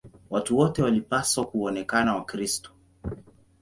Watu wote walipaswa kuonekana Wakristo.